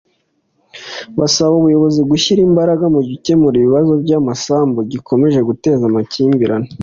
barasaba ubuyobozi gushyira imbaraga mu gukemura ikibazo cy’amasambu gikomeje guteza amakimbirane